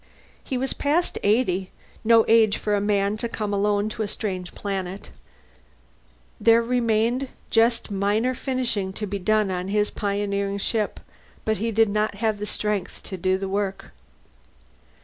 He was past eighty, no age for a man to come alone to a strange planet. There remained just minor finishing to be done on his pioneering ship but he did not have the strength to do the work.